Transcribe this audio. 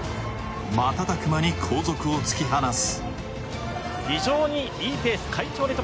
瞬く間に後続を突き放す。